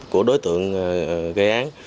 của đối tượng gây án